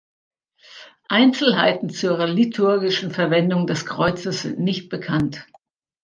Einzelheiten zur liturgischen Verwendung des Kreuzes sind nicht bekannt.